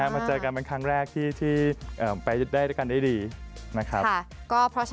มาเจอกันเป็นครั้งแรกที่ไปได้ด้วยกันได้ดีนะครับ